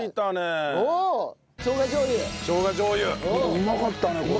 うまかったねこれね。